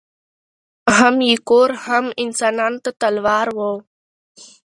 هم یې کور هم انسانانو ته تلوار وو